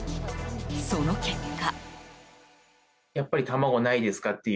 その結果。